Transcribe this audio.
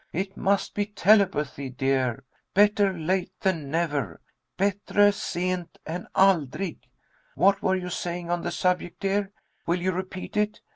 It must be telepathy, dear. 'Better late than never,' 'Battre sent än aldrig.' What were you saying on the subject, dear? Will you repeat it?